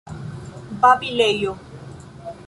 babilejo